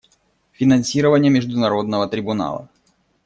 Финансирование Международного трибунала.